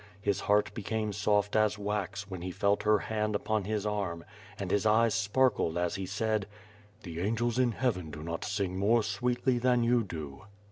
His heart became soft as wax, when he felt her hand upon his arm and his eyes sparkled as he said: ''The angels in heaven do not sing more sweetly than you do."